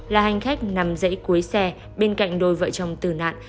là hành khách nằm dãy cuối xe bên cạnh đôi vợ chồng tử nạn